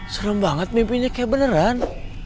serem banget mimpinya kayak beneran